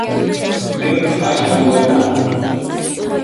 Pin aswan wayna?